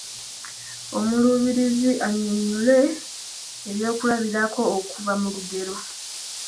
Omuluubirizi annyonnyole ebyokulabirako okuva mu lugero.